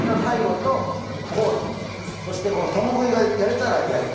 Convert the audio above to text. そしてこの共食いがやれたらやる。